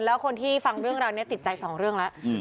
แล้วคนที่ฟังเรื่องราวนี้ติดใจสองเรื่องแล้ว